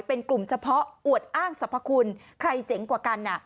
เป็นกลุ่มเฉพาะอวดอ้างสรรพคุณใครเจ๋งกว่ากัน